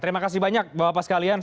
terima kasih banyak bapak bapak sekalian